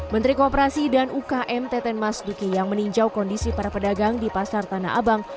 menteri kooperasi dan ukm teten mas duki yang meninjau kondisi para pedagang di pasar tanah abang